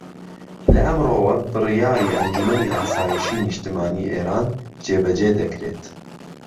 لە ئەمرۆوە بڕیاری ئەنجومەنی ئاسایشی نیشتمانی ئێران جێبەجێ دەكرێت